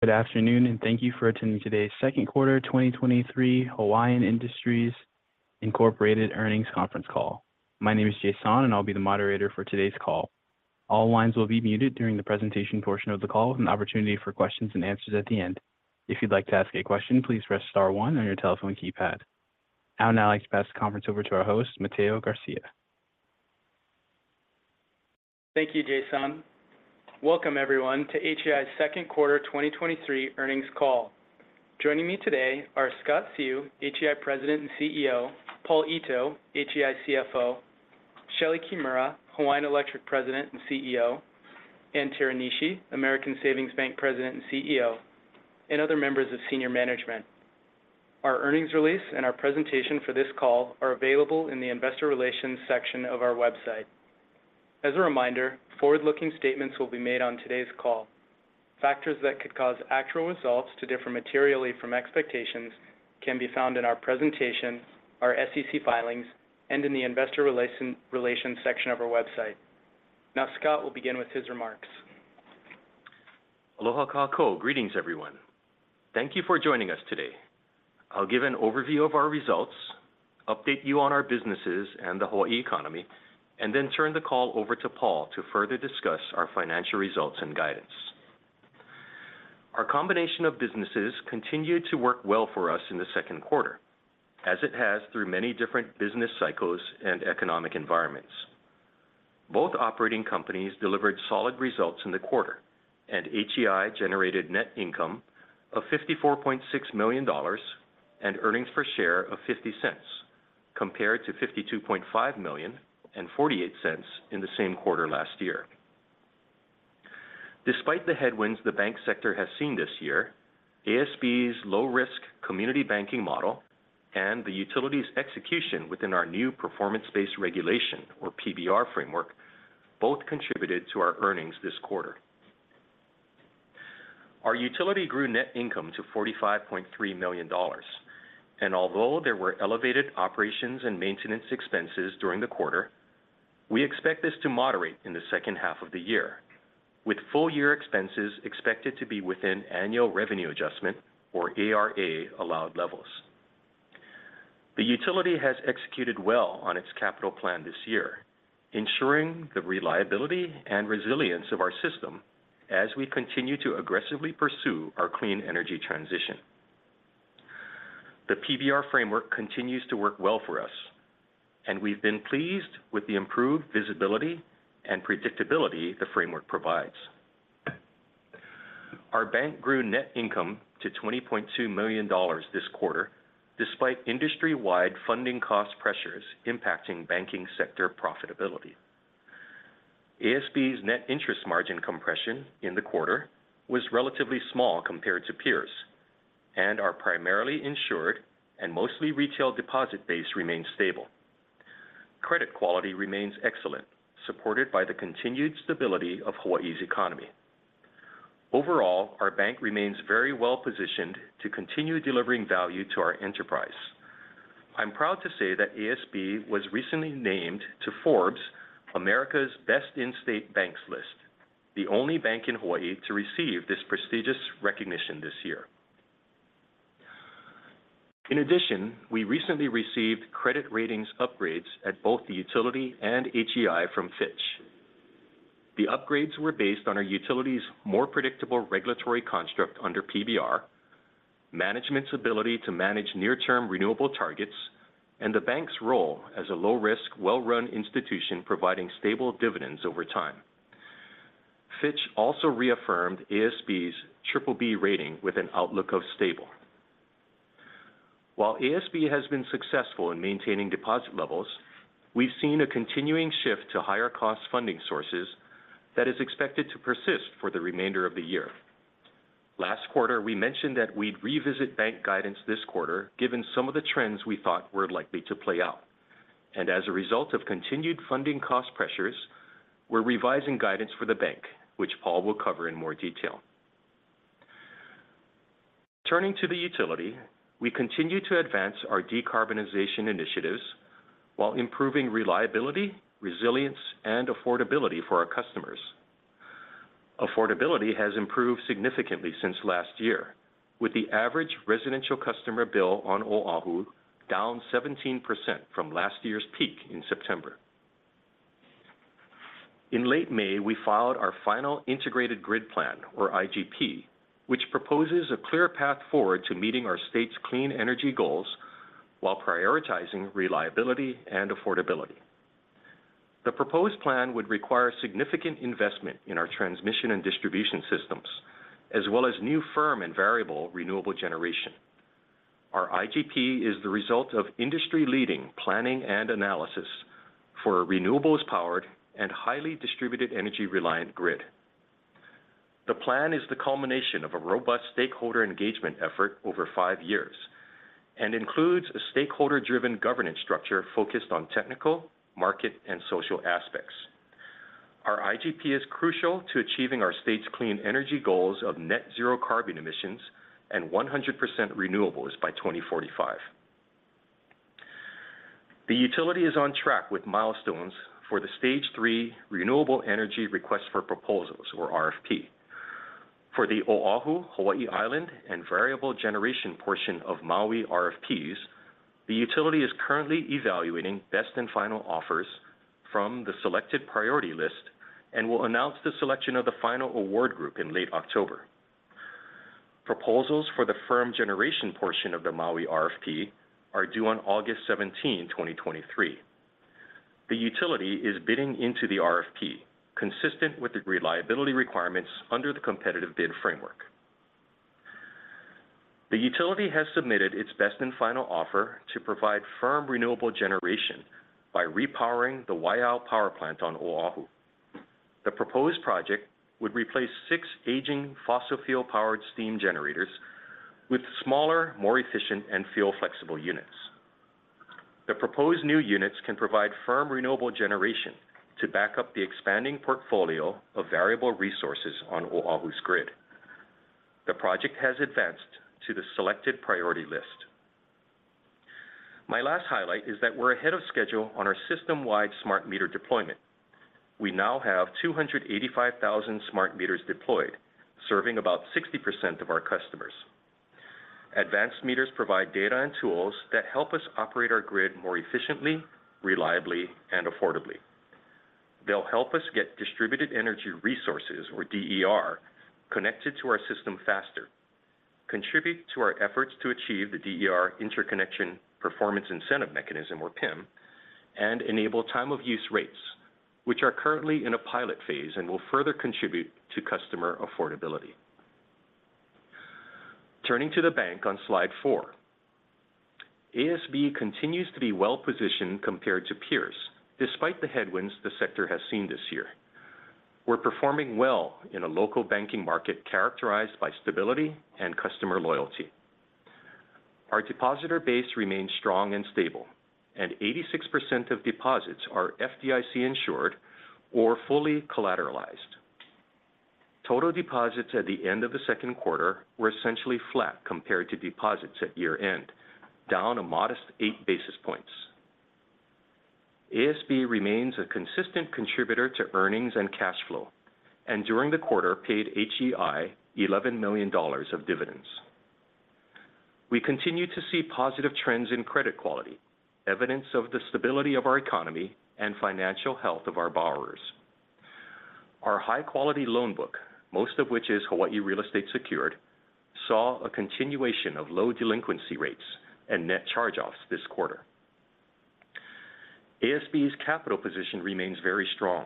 Good afternoon, and thank you for attending today's second quarter 2023 Hawaiian Electric Industries earnings conference call. My name is Jason, and I'll be the moderator for today's call. All lines will be muted during the presentation portion of the call, with an opportunity for questions and answers at the end. If you'd like to ask a question, please press star one on your telephone keypad. I would now like to pass the conference over to our host, Mateo Garcia. Thank you, Jason. Welcome, everyone, to HEI's second quarter 2023 earnings call. Joining me today are Scott Seu, HEI President and CEO; Paul Ito, HEI CFO; Shelee Kimura, Hawaiian Electric President and CEO; Ann Teranishi, American Savings Bank President and CEO, and other members of senior management. Our earnings release and our presentation for this call are available in the investor relations section of our website. As a reminder, forward-looking statements will be made on today's call. Factors that could cause actual results to differ materially from expectations can be found in our presentation, our SEC filings, and in the investor relations section of our website. Scott will begin with his remarks. Aloha kākou. Greetings, everyone. Thank you for joining us today. I'll give an overview of our results, update you on our businesses and the Hawaii economy, and then turn the call over to Paul to further discuss our financial results and guidance. Our combination of businesses continued to work well for us in the second quarter, as it has through many different business cycles and economic environments. Both operating companies delivered solid results in the quarter, and HEI generated net income of $54.6 million and earnings per share of $0.50, compared to $52.5 million and $0.48 in the same quarter last year. Despite the headwinds the bank sector has seen this year, ASB's low-risk community banking model and the utility's execution within our new performance-based regulation, or PBR framework, both contributed to our earnings this quarter. Our utility grew net income to $45.3 million, and although there were elevated operations and maintenance expenses during the quarter, we expect this to moderate in the second half of the year, with full-year expenses expected to be within Annual Revenue Adjustment, or ARA, allowed levels. The utility has executed well on its capital plan this year, ensuring the reliability and resilience of our system as we continue to aggressively pursue our clean energy transition. The PBR framework continues to work well for us, and we've been pleased with the improved visibility and predictability the framework provides. Our bank grew net income to $20.2 million this quarter, despite industry-wide funding cost pressures impacting banking sector profitability. ASB's net interest margin compression in the quarter was relatively small compared to peers, and our primarily insured and mostly retail deposit base remains stable. Credit quality remains excellent, supported by the continued stability of Hawaiʻi's economy. Overall, our bank remains very well-positioned to continue delivering value to our enterprise. I'm proud to say that ASB was recently named to Forbes' America's Best-In-State Banks list, the only bank in Hawaiʻi to receive this prestigious recognition this year. In addition, we recently received credit ratings upgrades at both the utility and HEI from Fitch. The upgrades were based on our utility's more predictable regulatory construct under PBR, management's ability to manage near-term renewable targets, and the bank's role as a low-risk, well-run institution providing stable dividends over time. Fitch also reaffirmed ASB's triple B rating with an outlook of stable. While ASB has been successful in maintaining deposit levels, we've seen a continuing shift to higher cost funding sources that is expected to persist for the remainder of the year. Last quarter, we mentioned that we'd revisit bank guidance this quarter, given some of the trends we thought were likely to play out. As a result of continued funding cost pressures, we're revising guidance for the bank, which Paul will cover in more detail. Turning to the utility, we continue to advance our decarbonization initiatives while improving reliability, resilience, and affordability for our customers. Affordability has improved significantly since last year, with the average residential customer bill on Oʻahu down 17% from last year's peak in September. In late May, we filed our final Integrated Grid Plan, or IGP, which proposes a clear path forward to meeting our state's clean energy goals while prioritizing reliability and affordability. The proposed plan would require significant investment in our transmission and distribution systems, as well as new firm and variable renewable generation. Our IGP is the result of industry-leading planning and analysis for a renewables-powered and highly distributed energy-reliant grid. The plan is the culmination of a robust stakeholder engagement effort over five years and includes a stakeholder-driven governance structure focused on technical, market, and social aspects. Our IGP is crucial to achieving our state's clean energy goals of net zero carbon emissions and 100% renewables by 2045. The utility is on track with milestones for the stage 3 renewable energy request for proposals, or RFP. For the Oʻahu, Hawaiʻi Island, and variable generation portion of Maui RFPs, the utility is currently evaluating best and final offers from the selected priority list and will announce the selection of the final award group in late October. Proposals for the firm generation portion of the Maui RFP are due on August 17, 2023. The utility is bidding into the RFP, consistent with the reliability requirements under the competitive bid framework. The utility has submitted its best and final offer to provide firm renewable generation by repowering the Waiau Power Plant on Oʻahu. The proposed project would replace six aging fossil fuel-powered steam generators with smaller, more efficient, and fuel-flexible units. The proposed new units can provide firm renewable generation to back up the expanding portfolio of variable resources on Oʻahu's grid. The project has advanced to the selected priority list. My last highlight is that we're ahead of schedule on our system-wide smart meter deployment. We now have 285,000 smart meters deployed, serving about 60% of our customers. Advanced meters provide data and tools that help us operate our grid more efficiently, reliably, and affordably. They'll help us get distributed energy resources, or DER, connected to our system faster, contribute to our efforts to achieve the DER Interconnection Performance Incentive Mechanism, or PIM, and enable time of use rates, which are currently in a pilot phase and will further contribute to customer affordability. Turning to the bank on Slide 4, ASB continues to be well-positioned compared to peers, despite the headwinds the sector has seen this year. We're performing well in a local banking market characterized by stability and customer loyalty. Our depositor base remains strong and stable, and 86% of deposits are FDIC-insured or fully collateralized. Total deposits at the end of the second quarter were essentially flat compared to deposits at year-end, down a modest 8 basis points. ASB remains a consistent contributor to earnings and cash flow, and during the quarter, paid HEI $11 million of dividends. We continue to see positive trends in credit quality, evidence of the stability of our economy and financial health of our borrowers. Our high-quality loan book, most of which is Hawaiʻi real estate secured, saw a continuation of low delinquency rates and net charge-offs this quarter. ASB's capital position remains very strong,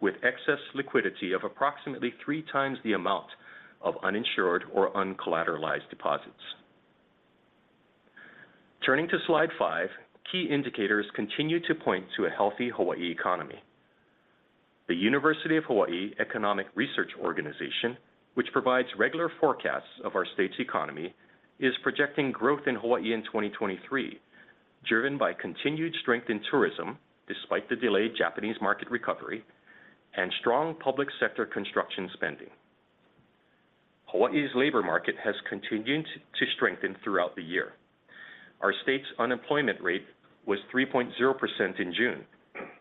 with excess liquidity of approximately 3 times the amount of uninsured or uncollateralized deposits. Turning to Slide 5, key indicators continue to point to a healthy Hawaiʻi economy. The University of Hawaiʻi Economic Research Organization, which provides regular forecasts of our state's economy, is projecting growth in Hawaiʻi in 2023, driven by continued strength in tourism despite the delayed Japanese market recovery and strong public sector construction spending. Hawaiʻi's labor market has continued to strengthen throughout the year. Our state's unemployment rate was 3.0% in June,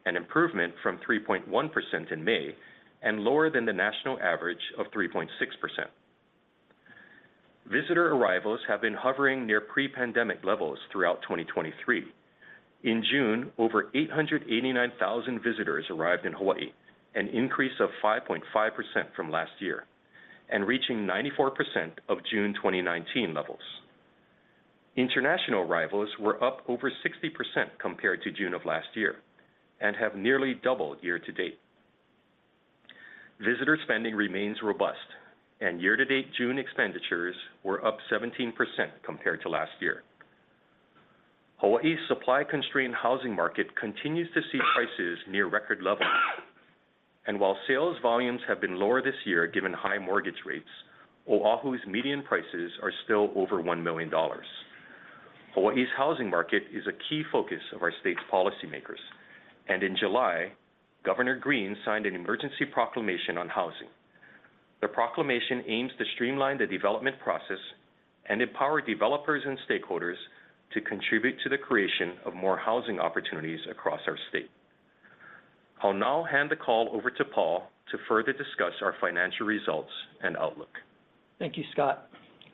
an improvement from 3.1% in May and lower than the national average of 3.6%. Visitor arrivals have been hovering near pre-pandemic levels throughout 2023. In June, over 889,000 visitors arrived in Hawaiʻi, an increase of 5.5% from last year, and reaching 94% of June 2019 levels. International arrivals were up over 60% compared to June of last year and have nearly doubled year to date. Visitor spending remains robust, year-to-date June expenditures were up 17% compared to last year. Hawaiʻi's supply-constrained housing market continues to see prices near record levels. While sales volumes have been lower this year, given high mortgage rates, Oʻahu's median prices are still over $1 million. Hawaiʻi's housing market is a key focus of our state's policymakers, and in July, Governor Green signed an Emergency Proclamation on housing. The proclamation aims to streamline the development process and empower developers and stakeholders to contribute to the creation of more housing opportunities across our state. I'll now hand the call over to Paul to further discuss our financial results and outlook. Thank you, Scott.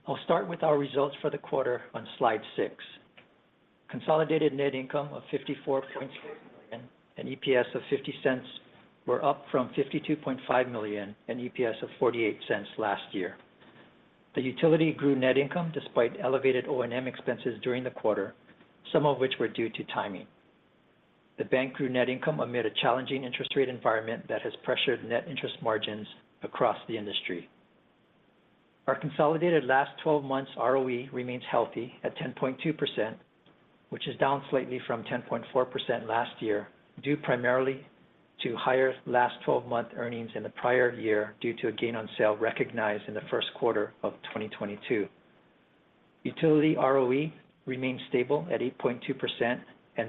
I'll start with our results for the quarter on Slide 6. Consolidated net income of $54.3 million, and EPS of $0.50 were up from $52.5 million, and EPS of $0.48 last year. The utility grew net income despite elevated O&M expenses during the quarter, some of which were due to timing. The bank grew net income amid a challenging interest rate environment that has pressured net interest margins across the industry. Our consolidated last twelve months ROE remains healthy at 10.2%, which is down slightly from 10.4% last year, due primarily to higher last twelve-month earnings in the prior year, due to a gain on sale recognized in the first quarter of 2022. Utility ROE remains stable at 8.2%.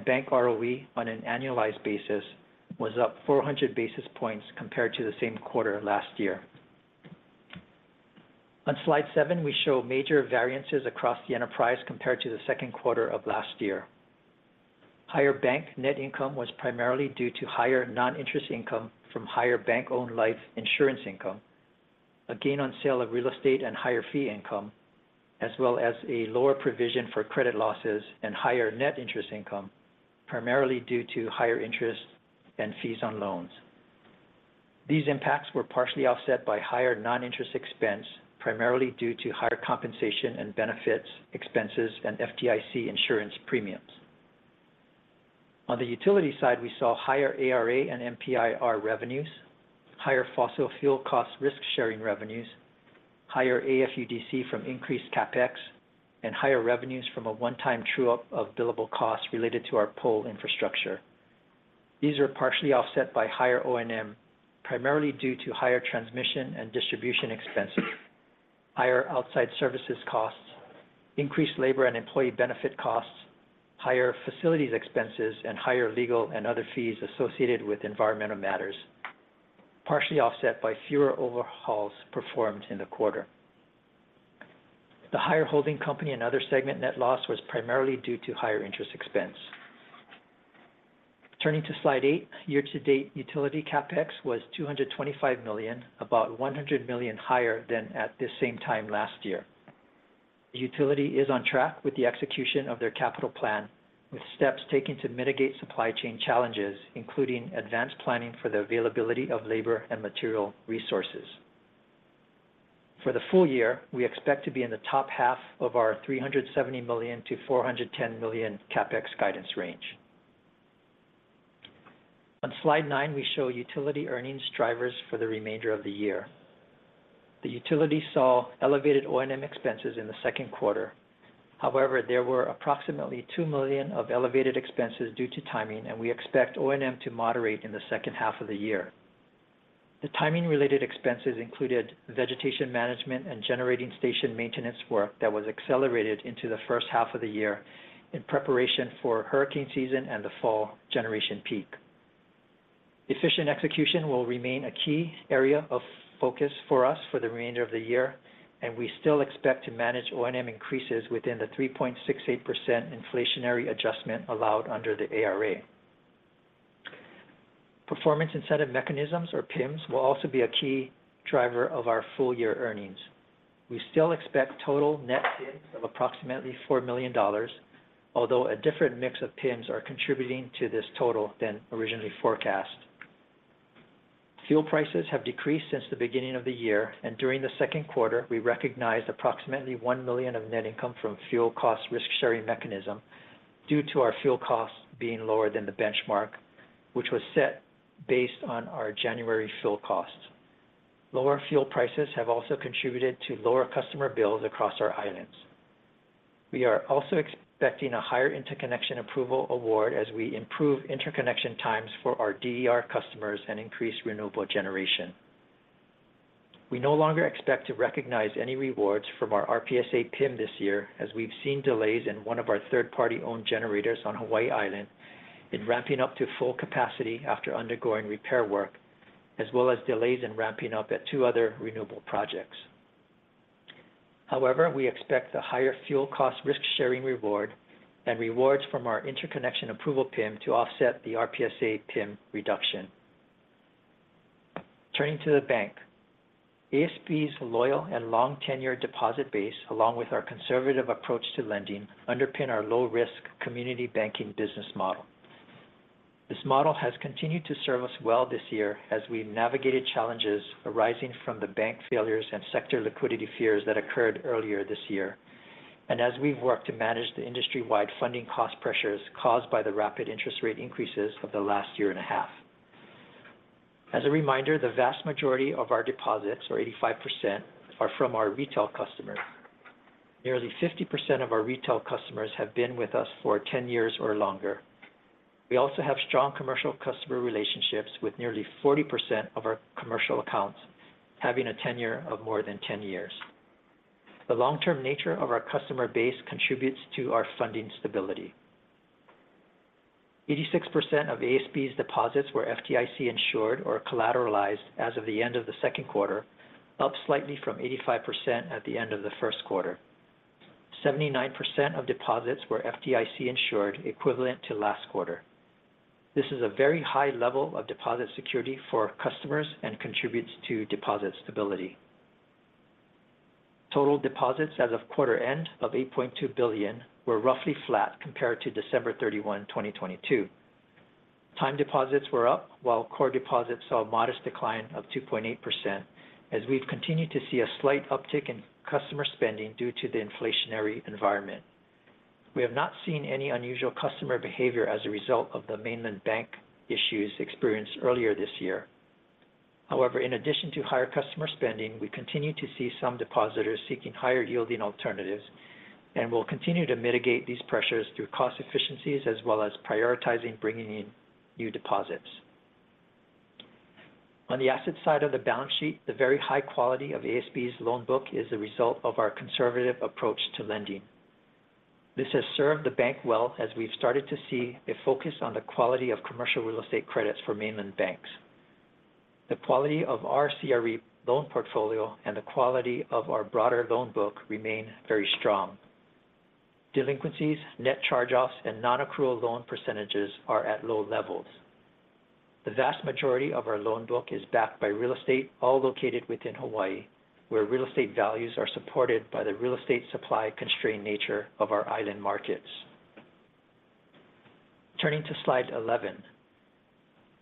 Bank ROE on an annualized basis was up 400 basis points compared to the same quarter last year. On Slide 7, we show major variances across the enterprise compared to the second quarter of last year. Higher bank net income was primarily due to higher non-interest income from higher bank-owned life insurance income, a gain on sale of real estate and higher fee income, as well as a lower provision for credit losses and higher net interest income, primarily due to higher interest and fees on loans. These impacts were partially offset by higher non-interest expense, primarily due to higher compensation and benefits expenses and FDIC insurance premiums. On the utility side, we saw higher ARA and MPIR revenues, higher fossil fuel cost risk-sharing revenues, higher AFUDC from increased CapEx, and higher revenues from a one-time true-up of billable costs related to our pole infrastructure. These are partially offset by higher O&M, primarily due to higher transmission and distribution expenses, higher outside services costs, increased labor and employee benefit costs, higher facilities expenses, and higher legal and other fees associated with environmental matters, partially offset by fewer overhauls performed in the quarter. The higher holding company and other segment net loss was primarily due to higher interest expense. Turning to Slide 8, year-to-date utility CapEx was $225 million, about $100 million higher than at this same time last year. The utility is on track with the execution of their capital plan, with steps taken to mitigate supply chain challenges, including advanced planning for the availability of labor and material resources. For the full year, we expect to be in the top half of our $370 million-$410 million CapEx guidance range. On Slide 9, we show utility earnings drivers for the remainder of the year. The utility saw elevated O&M expenses in the second quarter. However, there were approximately $2 million of elevated expenses due to timing, and we expect O&M to moderate in the second half of the year. The timing-related expenses included vegetation management and generating station maintenance work that was accelerated into the first half of the year in preparation for hurricane season and the fall generation peak. Efficient execution will remain a key area of focus for us for the remainder of the year, and we still expect to manage O&M increases within the 3.68% inflationary adjustment allowed under the ARA. Performance incentive mechanisms, or PIMs, will also be a key driver of our full-year earnings. We still expect total net PIMs of approximately $4 million, although a different mix of PIMs are contributing to this total than originally forecast. Fuel prices have decreased since the beginning of the year, and during the second quarter, we recognized approximately $1 million of net income from fuel cost risk-sharing mechanism due to our fuel costs being lower than the benchmark, which was set based on our January fuel costs. Lower fuel prices have also contributed to lower customer bills across our islands. We are also expecting a higher Interconnection Approval award as we improve interconnection times for our DER customers and increase renewable generation. We no longer expect to recognize any rewards from our RPSA PIM this year, as we've seen delays in one of our third-party-owned generators on Hawaiʻi Island in ramping up to full capacity after undergoing repair work, as well as delays in ramping up at two other renewable projects. However, we expect the higher fuel cost risk-sharing reward and rewards from our Interconnection Approval PIM to offset the RPSA PIM reduction. Turning to the bank. ASB's loyal and long tenure deposit base, along with our conservative approach to lending, underpin our low-risk community banking business model. This model has continued to serve us well this year as we navigated challenges arising from the bank failures and sector liquidity fears that occurred earlier this year, and as we've worked to manage the industry-wide funding cost pressures caused by the rapid interest rate increases of the last year and a half. As a reminder, the vast majority of our deposits, or 85%, are from our retail customers. Nearly 50% of our retail customers have been with us for 10 years or longer. We also have strong commercial customer relationships, with nearly 40% of our commercial accounts having a tenure of more than 10 years. The long-term nature of our customer base contributes to our funding stability. 86% of ASB's deposits were FDIC-insured or collateralized as of the end of the second quarter, up slightly from 85% at the end of the first quarter. 79% of deposits were FDIC-insured, equivalent to last quarter. This is a very high level of deposit security for our customers and contributes to deposit stability. Total deposits as of quarter end of $8.2 billion were roughly flat compared to December 31, 2022. Time deposits were up, while core deposits saw a modest decline of 2.8%, as we've continued to see a slight uptick in customer spending due to the inflationary environment. We have not seen any unusual customer behavior as a result of the mainland bank issues experienced earlier this year. In addition to higher customer spending, we continue to see some depositors seeking higher-yielding alternatives and will continue to mitigate these pressures through cost efficiencies, as well as prioritizing bringing in new deposits. On the asset side of the balance sheet, the very high quality of ASB's loan book is a result of our conservative approach to lending. This has served the bank well as we've started to see a focus on the quality of commercial real estate credits for mainland banks. The quality of our CRE loan portfolio and the quality of our broader loan book remain very strong. Delinquencies, net charge-offs, and nonaccrual loan % are at low levels. The vast majority of our loan book is backed by real estate, all located within Hawaii, where real estate values are supported by the real estate supply-constrained nature of our island markets. Turning to Slide 11.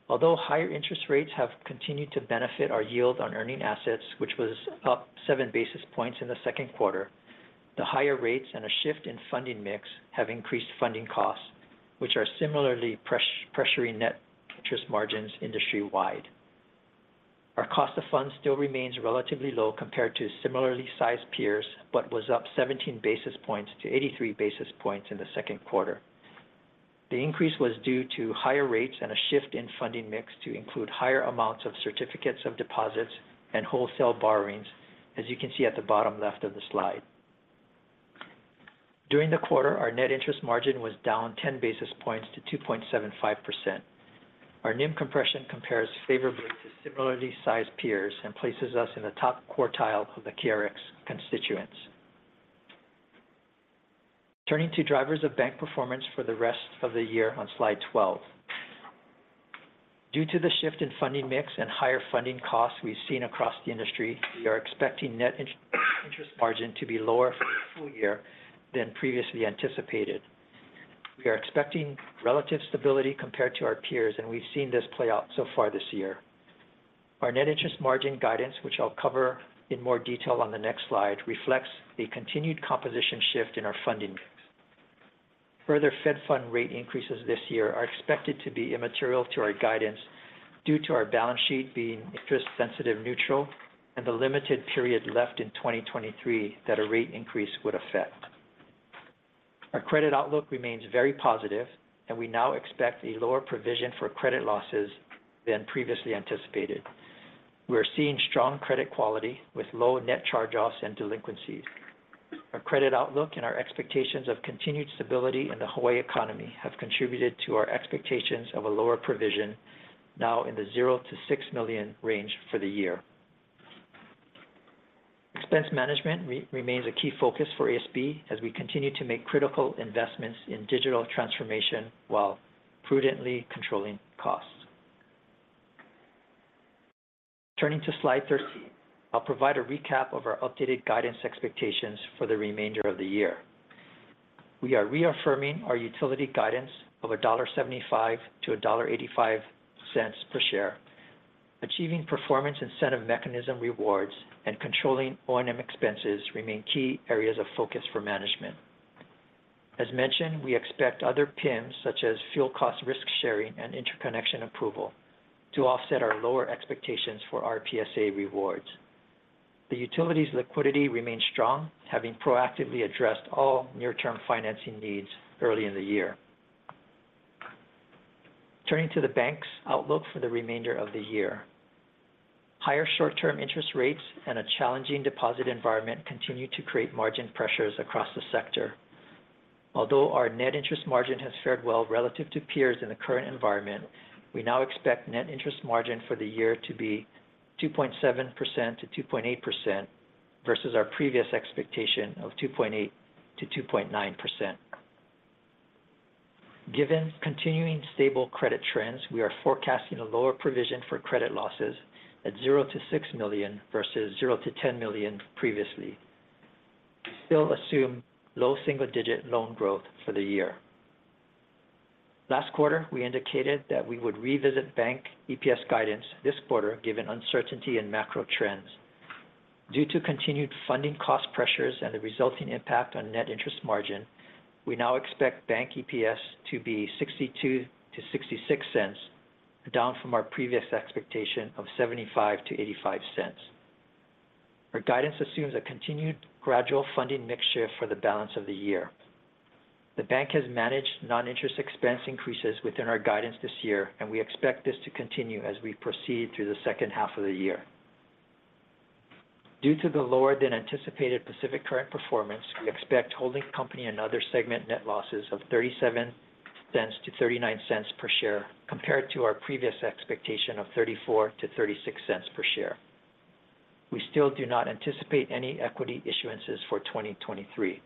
Although higher interest rates have continued to benefit our yield on earning assets, which was up 7 basis points in the second quarter, the higher rates and a shift in funding mix have increased funding costs, which are similarly pressuring net interest margins industry-wide. Our cost of funds still remains relatively low compared to similarly sized peers, but was up 17 basis points to 83 basis points in the second quarter. The increase was due to higher rates and a shift in funding mix to include higher amounts of certificates of deposits and wholesale borrowings, as you can see at the bottom left of the slide. During the quarter, our net interest margin was down 10 basis points to 2.75%. Our NIM compression compares favorably to similarly sized peers and places us in the top quartile of the KRX constituents. Turning to drivers of bank performance for the rest of the year on Slide 12. Due to the shift in funding mix and higher funding costs we've seen across the industry, we are expecting net interest margin to be lower for the full year than previously anticipated. We are expecting relative stability compared to our peers, and we've seen this play out so far this year. Our net interest margin guidance, which I'll cover in more detail on the next slide, reflects the continued composition shift in our funding mix. Further Fed Fund rate increases this year are expected to be immaterial to our guidance due to our balance sheet being interest sensitive neutral and the limited period left in 2023 that a rate increase would affect. Our credit outlook remains very positive, and we now expect a lower provision for credit losses than previously anticipated. We are seeing strong credit quality with low net charge-offs and delinquencies. Our credit outlook and our expectations of continued stability in the Hawaii economy have contributed to our expectations of a lower provision now in the $0-$6 million range for the year. Expense management remains a key focus for ASB as we continue to make critical investments in digital transformation while prudently controlling costs. Turning to Slide 13. I'll provide a recap of our updated guidance expectations for the remainder of the year. We are reaffirming our utility guidance of $1.75-$1.85 per share. Achieving Performance Incentive Mechanism rewards and controlling O&M expenses remain key areas of focus for management. As mentioned, we expect other PIMs, such as fuel cost risk-sharing and Interconnection Approval, to offset our lower expectations for our RPSA rewards. The utility's liquidity remains strong, having proactively addressed all near-term financing needs early in the year. Turning to the bank's outlook for the remainder of the year. Higher short-term interest rates and a challenging deposit environment continue to create margin pressures across the sector. Although our net interest margin has fared well relative to peers in the current environment, we now expect net interest margin for the year to be 2.7%-2.8% versus our previous expectation of 2.8%-2.9%. Given continuing stable credit trends, we are forecasting a lower provision for credit losses at $0-$6 million versus $0-$10 million previously. We still assume low single-digit loan growth for the year. Last quarter, we indicated that we would revisit bank EPS guidance this quarter, given uncertainty in macro trends. Due to continued funding cost pressures and the resulting impact on net interest margin, we now expect bank EPS to be $0.62-$0.66, down from our previous expectation of $0.75-$0.85. Our guidance assumes a continued gradual funding mix shift for the balance of the year. The bank has managed non-interest expense increases within our guidance this year, and we expect this to continue as we proceed through the second half of the year. Due to the lower than anticipated Pacific Current performance, we expect holding company and other segment net losses of $0.37-$0.39 per share, compared to our previous expectation of $0.34-$0.36 per share. We still do not anticipate any equity issuances for 2023.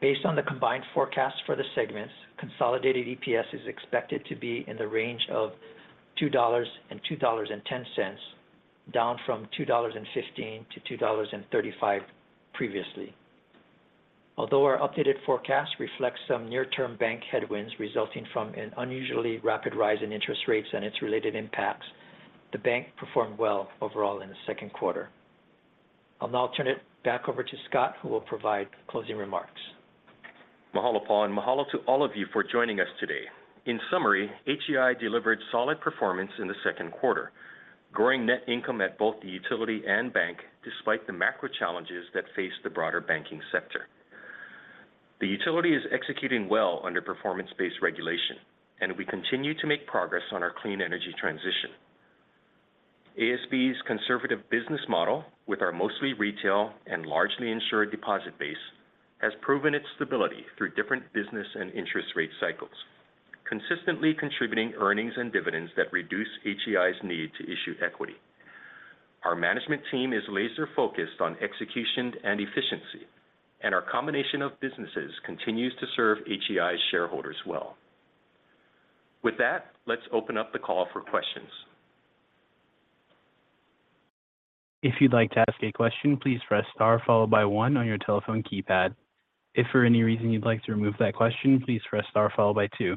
Based on the combined forecast for the segments, consolidated EPS is expected to be in the range of $2.00-$2.10, down from $2.15-$2.35 previously. Although our updated forecast reflects some near-term bank headwinds resulting from an unusually rapid rise in interest rates and its related impacts, the bank performed well overall in the second quarter. I'll now turn it back over to Scott, who will provide closing remarks. Mahalo, Paul. Mahalo to all of you for joining us today. In summary, HEI delivered solid performance in the second quarter, growing net income at both the utility and bank, despite the macro challenges that face the broader banking sector. The utility is executing well under performance-based regulation, and we continue to make progress on our clean energy transition. ASB's conservative business model, with our mostly retail and largely insured deposit base, has proven its stability through different business and interest rate cycles, consistently contributing earnings and dividends that reduce HEI's need to issue equity. Our management team is laser-focused on execution and efficiency, and our combination of businesses continues to serve HEI's shareholders well. With that, let's open up the call for questions. If you'd like to ask a question, please press star followed by one on your telephone keypad. If for any reason you'd like to remove that question, please press star followed by two.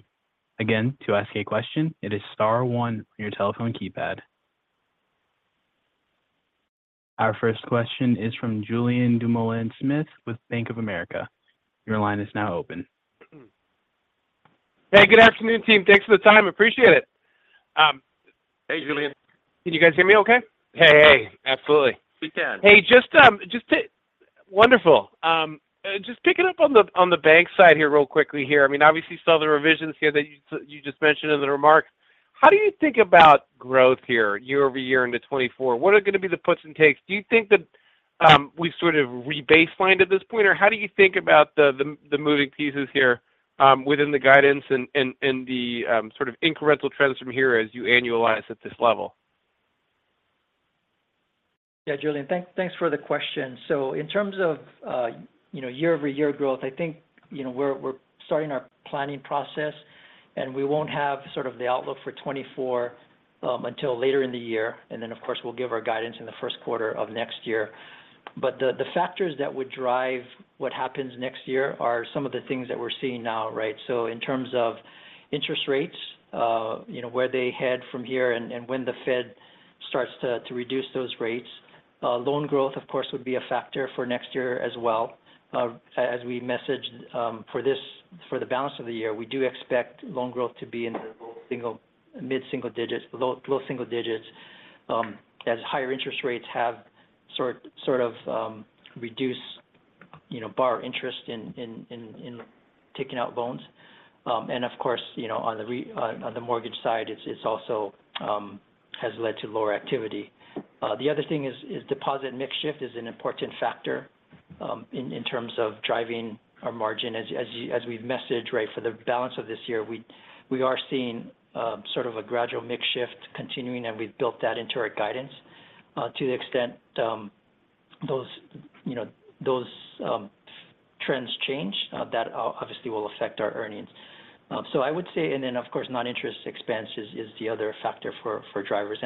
Again, to ask a question, it is star one on your telephone keypad. Our first question is from Julien Dumoulin-Smith with Bank of America. Your line is now open. Hey, good afternoon, team. Thanks for the time, appreciate it. Hey, Julien. Can you guys hear me okay? Hey, hey, absolutely. We can. Hey, just wonderful. Just picking up on the, on the bank side here real quickly here. I mean, obviously saw the revisions here that you, you just mentioned in the remarks. How do you think about growth here, year-over-year into 2024? What are going to be the puts and takes? Do you think that we've sort of re-baselined at this point? How do you think about the, the, the moving pieces here, within the guidance and, and, and the, sort of incremental trends from here as you annualize at this level? Yeah, Julien, thank-thanks for the question. In terms of, you know, year-over-year growth, I think, you know, we're, we're starting our planning process, and we won't have sort of the outlook for 2024 until later in the year. Of course, we'll give our guidance in the first quarter of next year. The factors that would drive what happens next year are some of the things that we're seeing now, right? In terms of interest rates, you know, where they head from here and, and when the Fed starts to, to reduce those rates. Loan growth, of course, would be a factor for next year as well. As we messaged, for this- for the balance of the year, we do expect loan growth to be in the low single- mid single digits, but low, low single digits, as higher interest rates have reduced, you know, borrower interest in taking out loans. Of course, you know, on the mortgage side, it's, it's also has led to lower activity. The other thing is, is deposit mix shift is an important factor in terms of driving our margin. As we've messaged, right, for the balance of this year, we, we are seeing sort of a gradual mix shift continuing, and we've built that into our guidance. To the extent, those, you know, those trends change, that obviously will affect our earnings. I would say. Then, of course, non-interest expenses is the other factor for, for drivers.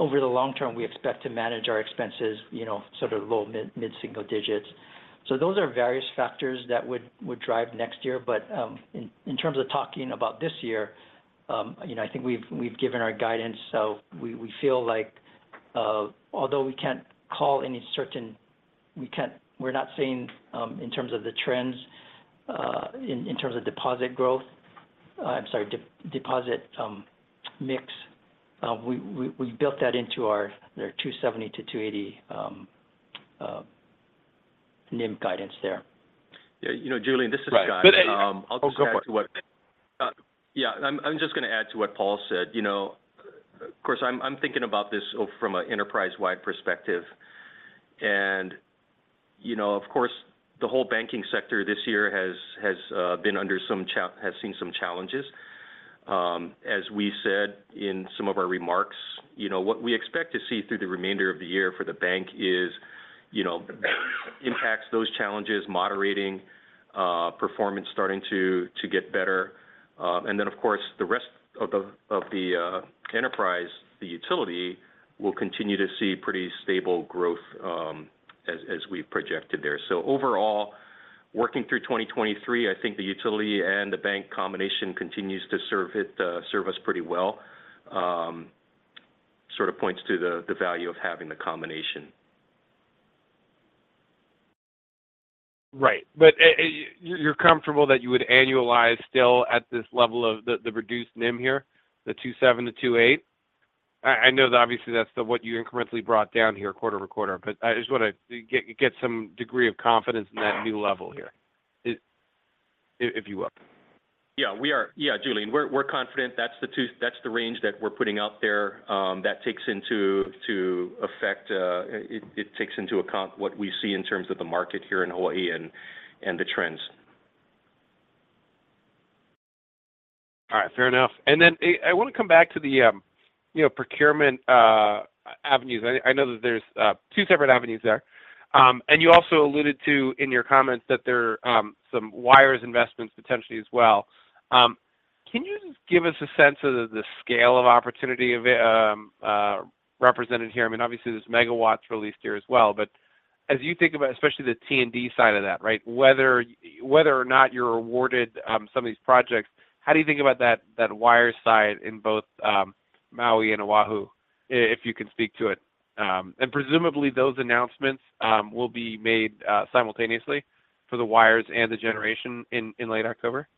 Over the long term, we expect to manage our expenses, you know, sort of low, mid, mid single digits. Those are various factors that would, would drive next year. In terms of talking about this year, you know, I think we've, we've given our guidance, so we, we feel like, although we're not seeing, in terms of the trends, in, in terms of deposit growth, I'm sorry, deposit mix, we, we, we built that into our 270 to 280 NIM guidance there. Yeah, you know, Julien, this is Scott. Right. Good- I'll just add- Oh, go for it.... yeah, I'm, I'm just going to add to what Paul said. You know, of course, I'm, I'm thinking about this from an enterprise-wide perspective. You know, of course, the whole banking sector this year has seen some challenges. As we said in some of our remarks, you know, what we expect to see through the remainder of the year for the bank is, you know, impacts those challenges, moderating, performance starting to, to get better. Then, of course, the rest of the, of the, enterprise, the utility, will continue to see pretty stable growth, as, as we've projected there. Overall, working through 2023, I think the utility and the bank combination continues to serve us pretty well. Sort of points to the, the value of having the combination. Right. You're, you're comfortable that you would annualize still at this level of the, the reduced NIM here, the 2.7%-2.8%? I, I know that obviously that's what you incrementally brought down here quarter to quarter, but I just want to get, get some degree of confidence in that new level here, if, if you will. Yeah, we are. Yeah, Julien, we're confident that's the range that we're putting out there. That takes into effect, it takes into account what we see in terms of the market here in Hawaii and the trends. All right, fair enough. Then, I want to come back to the, you know, procurement avenues. I, I know that there's two separate avenues there. You also alluded to in your comments that there are some wires investments potentially as well. Can you just give us a sense of the scale of opportunity of represented here? I mean, obviously, there's megawatts released here as well, but as you think about, especially the T&D side of that, right? Whether, whether or not you're awarded some of these projects, how do you think about that, that wire side in both Maui and Oʻahu, if you can speak to it? Presumably, those announcements will be made simultaneously for the wires and the generation in, in late October.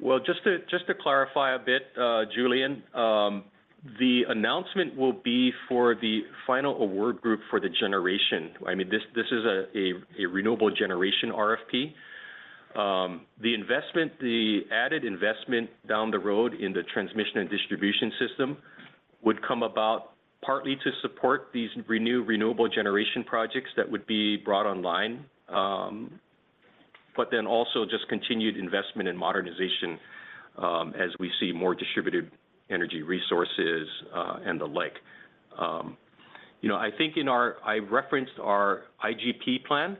Well, just to, just to clarify a bit, Julien, the announcement will be for the final award group for the generation. I mean, this is a renewable generation RFP. The investment, the added investment down the road in the transmission and distribution system would come about partly to support these renewable generation projects that would be brought online. Also just continued investment in modernization, as we see more distributed energy resources, and the like. You know, I think I referenced our IGP plan,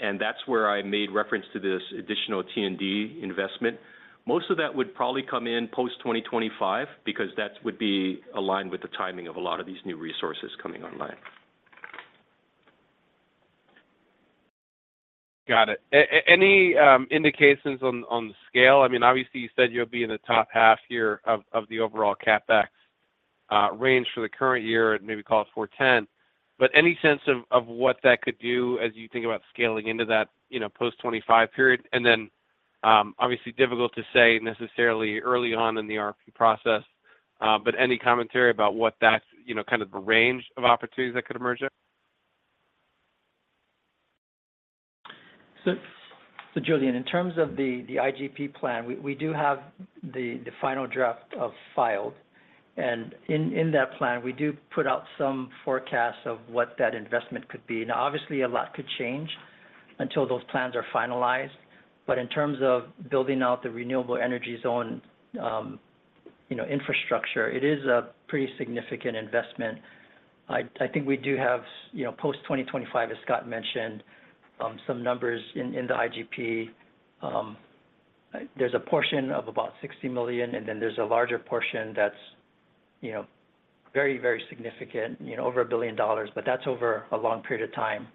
and that's where I made reference to this additional T&D investment. Most of that would probably come in post 2025, because that would be aligned with the timing of a lot of these new resources coming online. Got it. Any indications on, on the scale? I mean, obviously, you said you'll be in the top half year of, of the overall CapEx range for the current year, and maybe call it $410. Any sense of, of what that could do as you think about scaling into that, you know, post 25 period? Then, obviously difficult to say necessarily early on in the RFP process, but any commentary about what that's, you know, kind of the range of opportunities that could emerge there? Julien, in terms of the, the IGP plan, we, we do have the, the final draft of filed, and in, in that plan, we do put out some forecasts of what that investment could be. Now, obviously, a lot could change until those plans are finalized, but in terms of building out the renewable energy zone, you know, infrastructure, it is a pretty significant investment. I, I think we do have, you know, post 2025, as Scott mentioned, some numbers in, in the IGP. There's a portion of about $60 million, and then there's a larger portion that's, you know, very, very significant, you know, over $1 billion, but that's over a long period of time.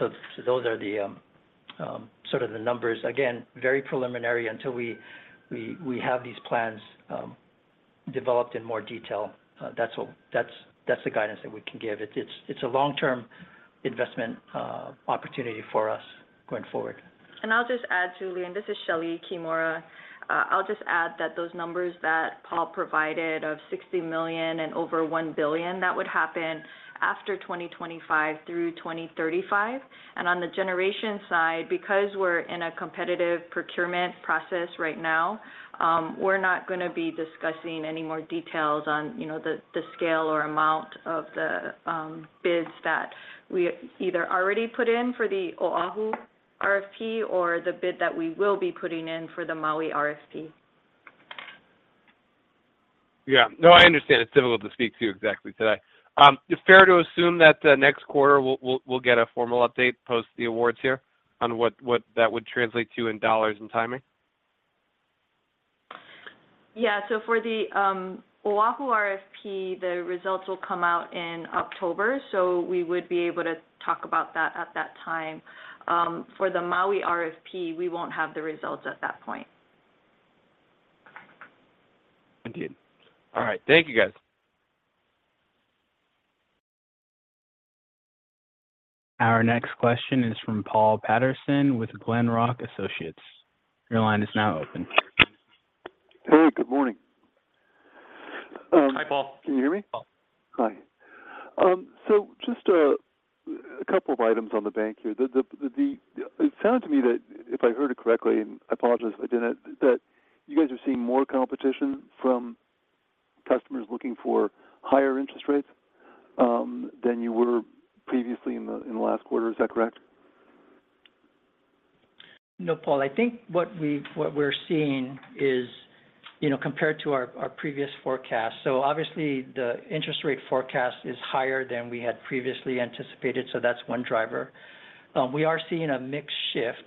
Those are the sort of the numbers. Again, very preliminary until we, we, we have these plans developed in more detail. That's the guidance that we can give. It's a long-term investment opportunity for us going forward. I'll just add to Julien. This is Shelee Kimura. I'll just add that those numbers that Paul provided of $60 million and over $1 billion, that would happen after 2025 through 2035. On the generation side, because we're in a competitive procurement process right now, we're not gonna be discussing any more details on, you know, the, the scale or amount of the bids that we either already put in for the Oʻahu RFP or the bid that we will be putting in for the Maui RFP. Yeah. No, I understand it's difficult to speak to exactly today. Is it fair to assume that the next quarter, we'll, we'll, we'll get a formal update, post the awards here, on what, what that would translate to in dollars and timing? Yeah. For the Oʻahu RFP, the results will come out in October, so we would be able to talk about that at that time. For the Maui RFP, we won't have the results at that point. Indeed. All right. Thank you, guys. Our next question is from Paul Patterson with Glenrock Associates. Your line is now open. Hey, good morning. Hi, Paul. Can you hear me? Paul. Hi. Just a couple of items on the bank here. It sounds to me that if I heard it correctly, and I apologize if I didn't, that you guys are seeing more competition from customers looking for higher interest rates than you were previously in the last quarter. Is that correct? No, Paul. I think what we're seeing is, you know, compared to our, our previous forecast. Obviously, the interest rate forecast is higher than we had previously anticipated, so that's one driver. We are seeing a mixed shift,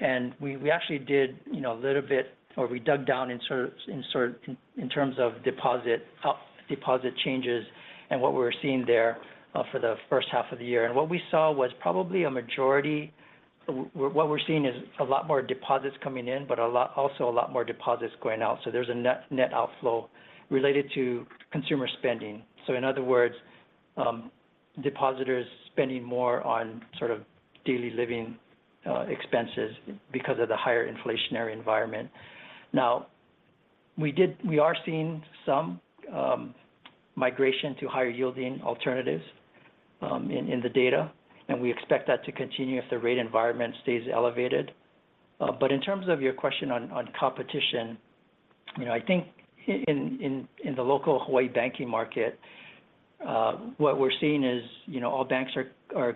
and we, we actually did, you know, a little bit, or we dug down in terms of deposit, deposit changes and what we were seeing there for the first half of the year. What we saw was probably a majority... What we're seeing is a lot more deposits coming in, but also a lot more deposits going out. There's a net, net outflow related to consumer spending. In other words, depositors spending more on sort of daily living expenses because of the higher inflationary environment. We are seeing some migration to higher-yielding alternatives, in, in the data, and we expect that to continue if the rate environment stays elevated. In terms of your question on, on competition, you know, I think in the local Hawaii banking market, what we're seeing is, you know, all banks are, are,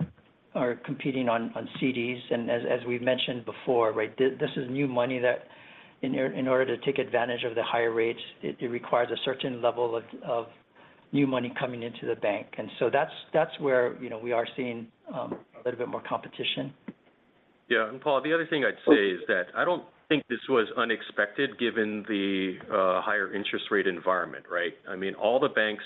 are competing on, on CDs. As, as we've mentioned before, right, this is new money that in order to take advantage of the higher rates, it, it requires a certain level of, of new money coming into the bank. So that's, that's where, you know, we are seeing a little bit more competition. Yeah. Paul Ito, the other thing I'd say is that I don't think this was unexpected, given the higher interest rate environment, right? I mean, all the banks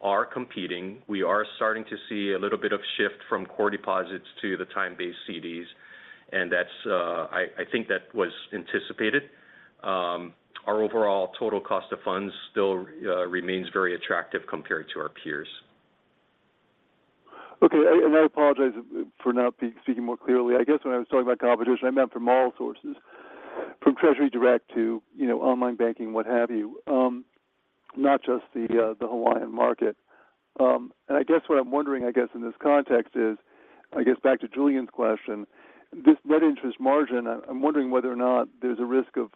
are competing. We are starting to see a little bit of shift from core deposits to the time-based CDs, and that's, I, I think that was anticipated. Our overall total cost of funds still remains very attractive compared to our peers. Okay, I apologize for not speaking more clearly. I guess when I was talking about competition, I meant from all sources. From Treasury direct to, you know, online banking, what have you, not just the Hawaiian market. I guess what I'm wondering, I guess, in this context is, I guess, back to Julien's question, this net interest margin. I'm wondering whether or not there's a risk of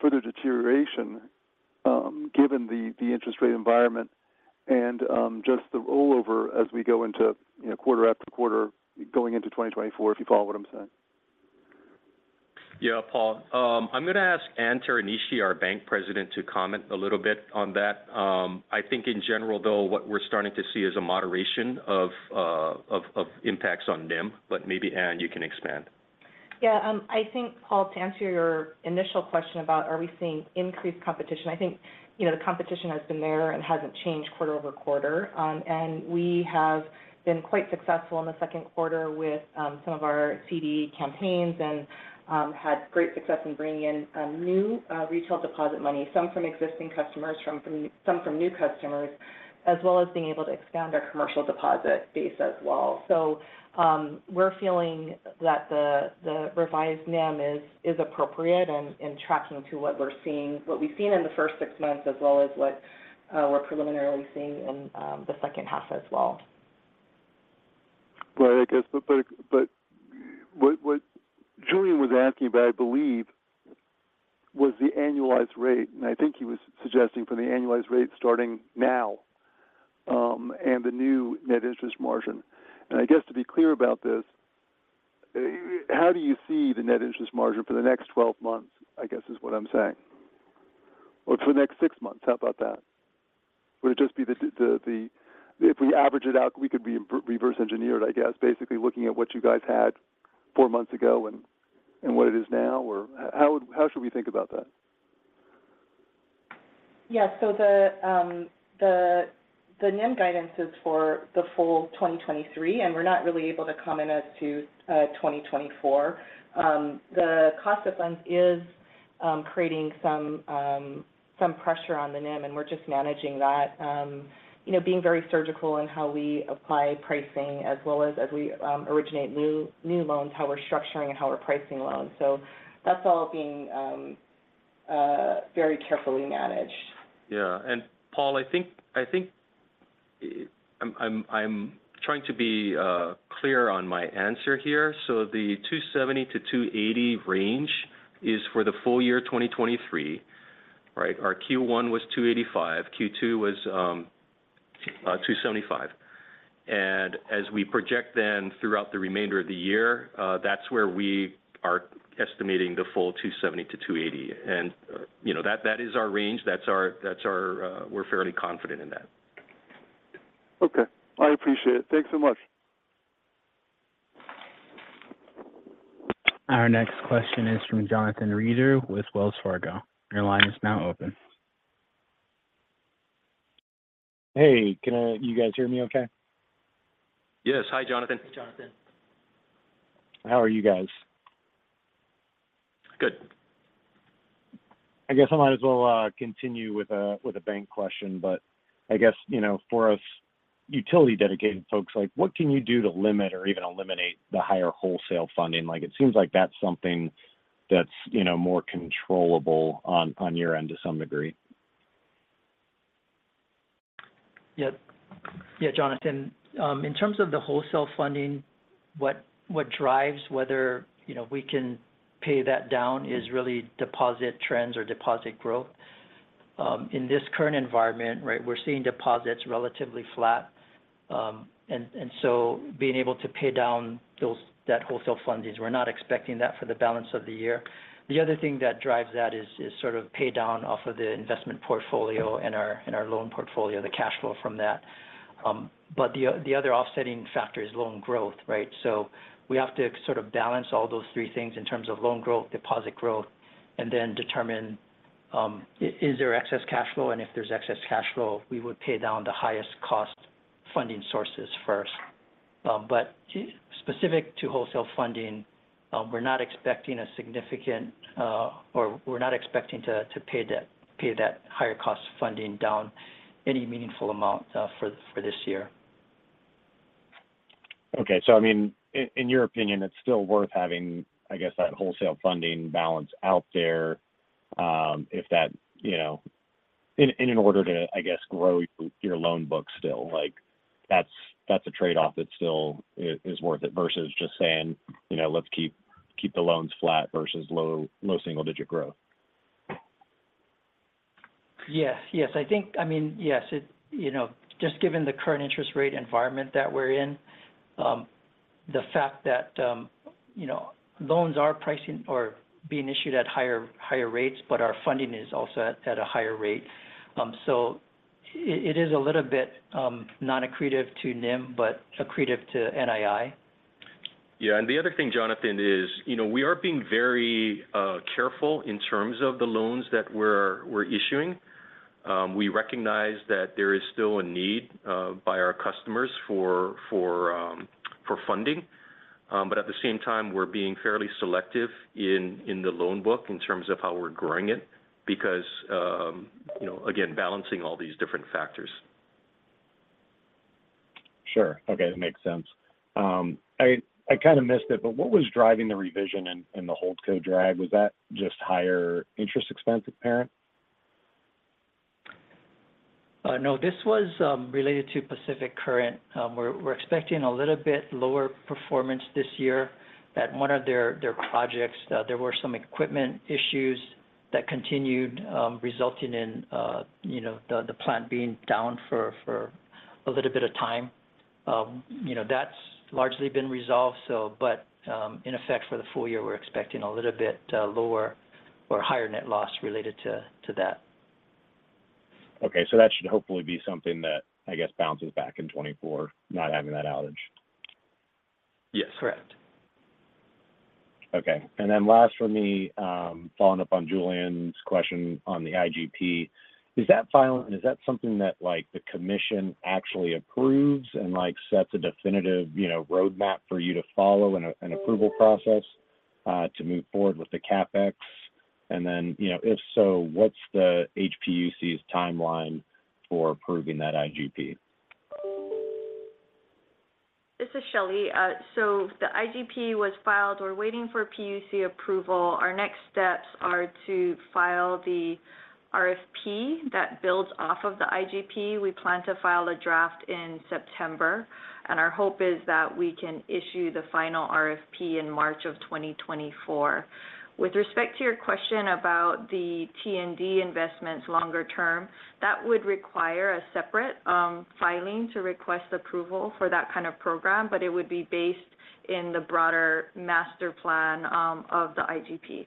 further deterioration, given the interest rate environment and just the rollover as we go into, you know, quarter after quarter, going into 2024, if you follow what I'm saying? Yeah, Paul. I'm going to ask Ann Teranishi, our bank president, to comment a little bit on that. I think in general, though, what we're starting to see is a moderation of impacts on NIM, maybe, Anne, you can expand. Yeah, I think, Paul, to answer your initial question about are we seeing increased competition, I think, you know, the competition has been there and hasn't changed quarter-over-quarter. We have been quite successful in the second quarter with some of our CD campaigns and had great success in bringing in new retail deposit money, some from existing customers, from, from some from new customers, as well as being able to expand our commercial deposit base as well. We're feeling that the, the revised NIM is, is appropriate and, and tracking to what we've seen in the first six months, as well as what we're preliminarily seeing in the second half as well. Right. I guess, what, what Julien was asking about, I believe, was the annualized rate. I think he was suggesting for the annualized rate starting now, and the new net interest margin. I guess, to be clear about this, how do you see the net interest margin for the next 12 months, I guess, is what I'm saying? Or for the next six months, how about that? Would it just be if we average it out, we could reverse engineer it, I guess, basically looking at what you guys had four months ago and, and what it is now, or how, how should we think about that? Yeah. The, the, the NIM guidance is for the full 2023, and we're not really able to comment as to, 2024. The cost of funds is creating some pressure on the NIM, and we're just managing that, you know, being very surgical in how we apply pricing, as well as, as we originate new, new loans, how we're structuring and how we're pricing loans. That's all being very carefully managed. Yeah. Paul, I think, I think, I'm, I'm, I'm trying to be clear on my answer here. So the $270-$280 range is for the full year 2023, right? Our Q1 was $285, Q2 was $275. As we project then throughout the remainder of the year, that's where we are estimating the full $270-$280. You know, that, that is our range, that's our, that's our. We're fairly confident in that. Okay. I appreciate it. Thanks so much. Our next question is from Jonathan Reeder with Wells Fargo. Your line is now open. Hey, can, you guys hear me okay? Yes. Hi, Jonathan. Jonathan. How are you guys? Good. I guess I might as well continue with a, with a bank question, but I guess, you know, for us utility dedicated folks, like, what can you do to limit or even eliminate the higher wholesale funding? Like, it seems like that's something that's, you know, more controllable on, on your end to some degree. Yep. Yeah, Jonathan. In terms of the wholesale funding, what, what drives whether, you know, we can pay that down is really deposit trends or deposit growth. In this current environment, right, we're seeing deposits relatively flat. Being able to pay down those, that wholesale fundings, we're not expecting that for the balance of the year. The other thing that drives that is, is sort of pay down off of the investment portfolio and our, and our loan portfolio, the cash flow from that. The other offsetting factor is loan growth, right? We have to sort of balance all those three things in terms of loan growth, deposit growth, and then determine, is there excess cash flow, and if there's excess cash flow, we would pay down the highest cost funding sources first. Specific to wholesale funding, we're not expecting a significant, or we're not expecting to, to pay debt-- pay that higher cost funding down any meaningful amount for this year. Okay. I mean, in, in your opinion, it's still worth having, I guess, that wholesale funding balance out there, if that, you know, in, in order to, I guess, grow your loan book still? Like, that's, that's a trade-off that still is worth it, versus just saying, "You know, let's keep the loans flat," versus low, low single-digit growth. Yes. Yes, I think... I mean, yes, it, you know, just given the current interest rate environment that we're in, the fact that, you know, loans are pricing or being issued at higher, higher rates, but our funding is also at, at a higher rate. It is a little bit, non-accretive to NIM, but accretive to NII. Yeah, the other thing, Jonathan, is, you know, we are being very careful in terms of the loans that we're, we're issuing. We recognize that there is still a need by our customers for, for funding, but at the same time, we're being fairly selective in, in the loan book, in terms of how we're growing it, because, you know, again, balancing all these different factors. Sure. Okay, that makes sense. I, I kind of missed it, but what was driving the revision in, in the holdco drag? Was that just higher interest expense at Parent? No, this was related to Pacific Current. We're, we're expecting a little bit lower performance this year at one of their, their projects. There were some equipment issues that continued, resulting in, you know, the, the plant being down for, for a little bit of time. You know, that's largely been resolved, so in effect, for the full year, we're expecting a little bit lower or higher net loss related to, to that. Okay. That should hopefully be something that, I guess, bounces back in 2024, not having that outage. Yes, correct. Okay. Then last for me, following up on Julien's question on the IGP. Is that filing, is that something that, like, the commission actually approves and, like, sets a definitive, you know, roadmap for you to follow and an approval process to move forward with the CapEx? Then, you know, if so, what's the HPUC's timeline for approving that IGP? This is Shelee. The IGP was filed. We're waiting for PUC approval. Our next steps are to file the RFP that builds off of the IGP. We plan to file a draft in September, and our hope is that we can issue the final RFP in March of 2024. With respect to your question about the T&D investments longer term, that would require a separate filing to request approval for that kind of program, but it would be based in the broader master plan of the IGP.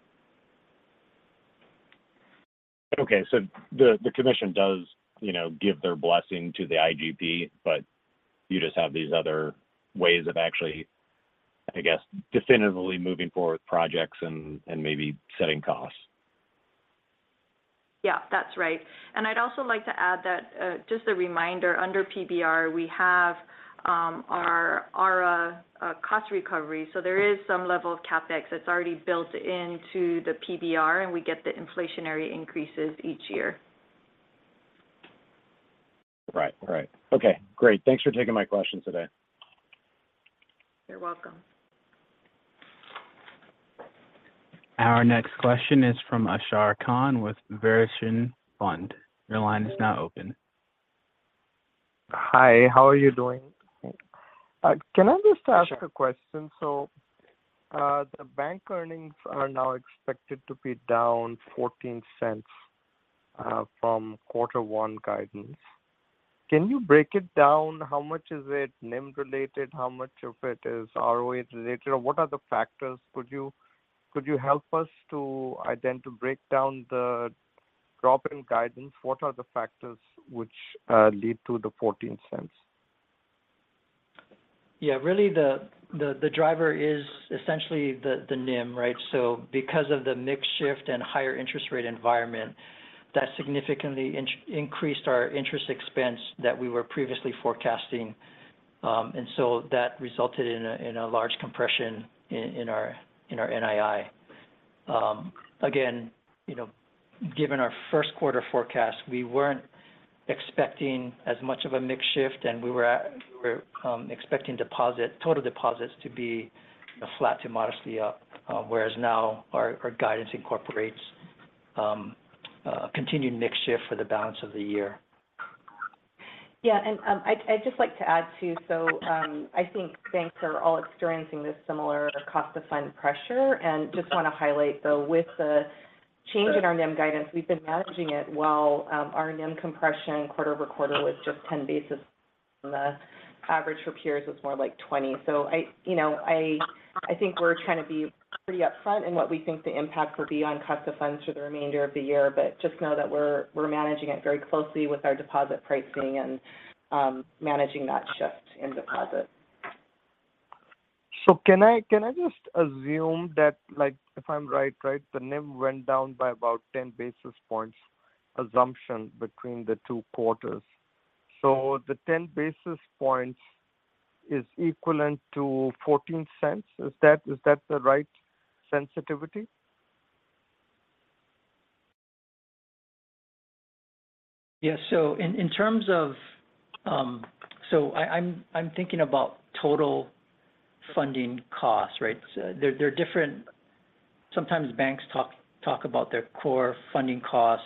The commission does, you know, give their blessing to the IGP, but you just have these other ways of actually, I guess, definitively moving forward with projects and maybe setting costs. Yeah, that's right. I'd also like to add that, just a reminder, under PBR, we have, our, our, cost recovery. There is some level of CapEx that's already built into the PBR, and we get the inflationary increases each year. Right. Right. Okay, great. Thanks for taking my questions today. You're welcome. Our next question is from Ashar Khan with Verition Fund. Your line is now open. Hi, how are you doing? Can I just ask a question? Sure. The bank earnings are now expected to be down $0.14 from quarter one guidance. Can you break it down? How much is it NIM-related, how much of it is ROA-related? Could you help us to break down the drop in guidance? What are the factors which lead to the $0.14? Yeah, really, the driver is essentially the NIM, right? Because of the mix shift and higher interest rate environment, that significantly increased our interest expense that we were previously forecasting. That resulted in a large compression in our NII. Again, you know, given our first quarter forecast, we weren't expecting as much of a mix shift, and we were expecting total deposits to be flat to modestly up. Now our guidance incorporates continued mix shift for the balance of the year. Yeah, I'd just like to add, too. I think banks are all experiencing this similar cost of fund pressure. Just want to highlight, though, with the change in our NIM guidance, we've been managing it well. Our NIM compression quarter-over-quarter was just 10 basis, and the average for peers was more like 20. I, you know, I think we're trying to be pretty upfront in what we think the impact will be on cost of funds for the remainder of the year. Just know that we're managing it very closely with our deposit pricing and managing that shift in deposits. Can I just assume that, like, if I'm right, the NIM went down by about 10 basis points assumption between the two quarters. The 10 basis points is equivalent to $0.14. Is that the right sensitivity? Yeah, in, in terms of. I, I'm, I'm thinking about total funding costs, right? There, there are different-- Sometimes banks talk, talk about their core funding costs.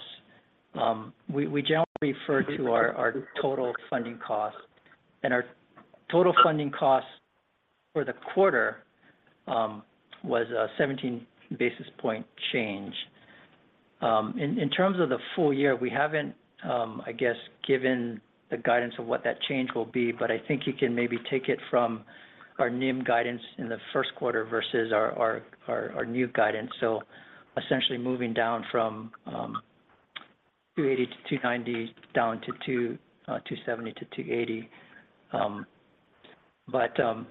We, we generally refer to our, our total funding costs. Our total funding costs for the quarter, was a 17 basis point change. In, in terms of the full year, we haven't, I guess, given the guidance of what that change will be, but I think you can maybe take it from our NIM guidance in the first quarter versus our, our, our, our new guidance. Essentially moving down from, 2.80%-2.90%, down to 2.70%-2.80%. I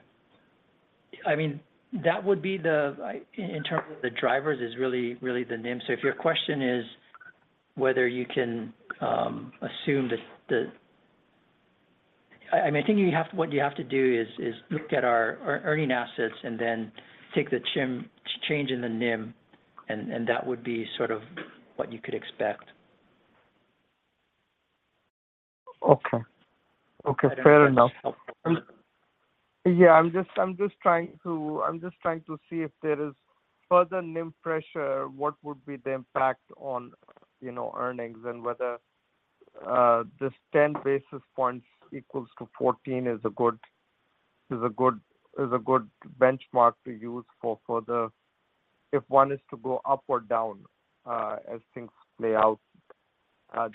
mean, that would be the, in terms of the drivers, is really, really the NIM. If your question is whether you can assume I mean, I think what you have to do is look at our, our earning assets and then take the change in the NIM, and that would be sort of what you could expect. Okay. Okay, fair enough. Yeah, I'm just trying to see if there is further NIM pressure, what would be the impact on, you know, earnings? Whether this 10 basis points equals to 14 is a good, is a good, is a good benchmark to use for if one is to go up or down as things play out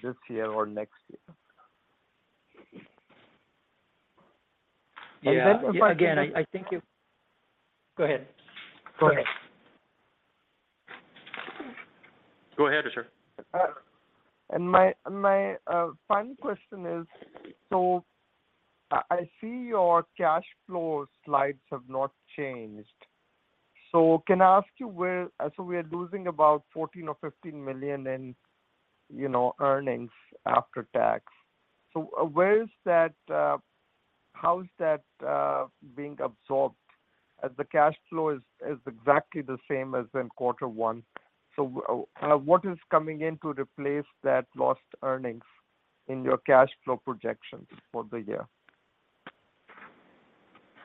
this year or next year. Yeah. Again, Go ahead. Go ahead. Go ahead, Ashar. My, and my, final question is: so I, I see your cash flow slides have not changed. Can I ask you where-- so we are losing about $14 million or $15 million in, you know, earnings after tax? Where is that, how is that, being absorbed as the cash flow is, is exactly the same as in quarter one? What is coming in to replace that lost earnings in your cash flow projections for the year?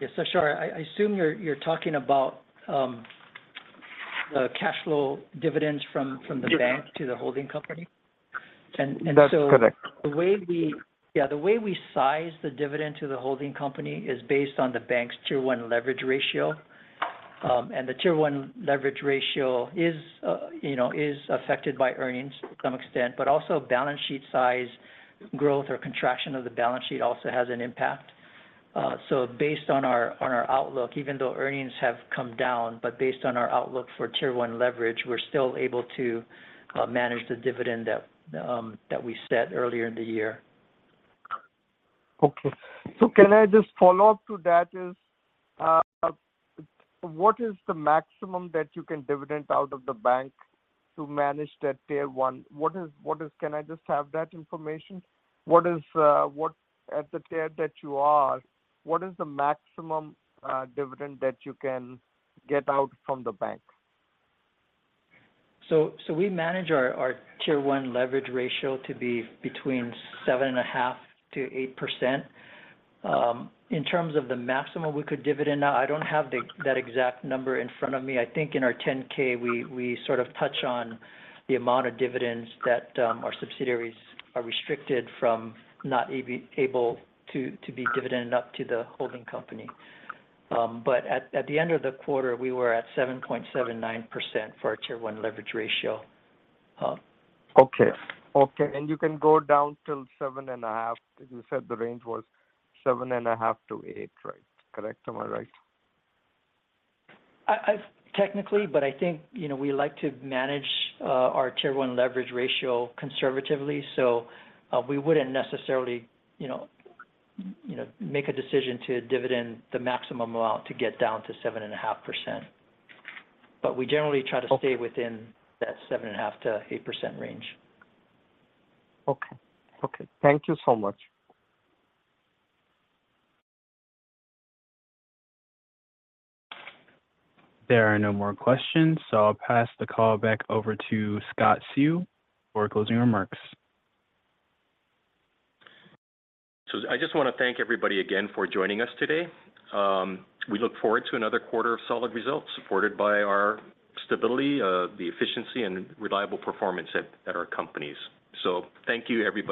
Yes, Ashar, I, I assume you're, you're talking about the cash flow dividends from, from the bank- Yeah to the holding company? That's correct. The way we... Yeah, the way we size the dividend to the holding company is based on the bank's Tier 1 leverage ratio. The Tier 1 leverage ratio is, you know, is affected by earnings to some extent, but also balance sheet size growth or contraction of the balance sheet also has an impact. Based on our, on our outlook, even though earnings have come down, but based on our outlook for Tier 1 leverage, we're still able to, manage the dividend that, that we set earlier in the year. Okay. Can I just follow up to that, is, what is the maximum that you can dividend out of the bank to manage that Tier 1? Can I just have that information? What is, at the tier that you are, what is the maximum dividend that you can get out from the bank? we manage our, our Tier 1 leverage ratio to be between 7.5%-8%. In terms of the maximum we could dividend out, I don't have the, that exact number in front of me. I think in our 10-K, we, we sort of touch on the amount of dividends that our subsidiaries are restricted from not able to, to be dividended up to the holding company. But at, at the end of the quarter, we were at 7.79% for our Tier 1 leverage ratio. Okay. Okay, you can go down till 7.5? You said the range was 7.5-8, right? Correct, am I right? I technically, but I think, you know, we like to manage our Tier 1 leverage ratio conservatively, so we wouldn't necessarily, you know, make a decision to dividend the maximum amount to get down to 7.5%. We generally try to- Okay... stay within that 7.5%-8% range. Okay. Okay, thank you so much. There are no more questions, so I'll pass the call back over to Scott Seu for closing remarks. I just want to thank everybody again for joining us today. We look forward to another quarter of solid results supported by our stability, the efficiency and reliable performance at our companies. Thank you, everybody.